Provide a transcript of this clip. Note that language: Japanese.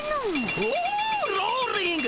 おおローリング！